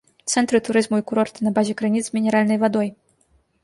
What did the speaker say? Цэнтры турызму і курорты на базе крыніц з мінеральнай вадой.